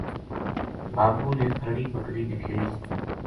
بابو نے پھرڑی بکری نکھیڑی